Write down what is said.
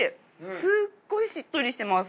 すごいしっとりしてます。